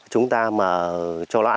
chúng ta mà cho nó ăn